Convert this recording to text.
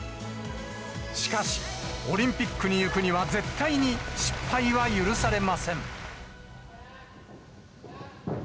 しかし、オリンピックに行くには絶対に失敗は許されません。